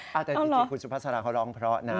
แต่จริงคุณสุภาษาเขาร้องเพราะนะ